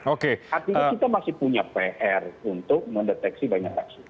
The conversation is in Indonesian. artinya kita masih punya pr untuk mendeteksi banyak kasus